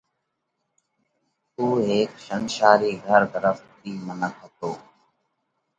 اُو هيڪ شينشارِي گھر گھرستِي منک هتو۔